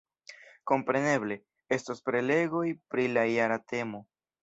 Kompreneble, estos prelegoj pri la jara temo.